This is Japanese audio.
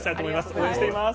応援しています。